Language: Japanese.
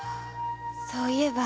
そういえば。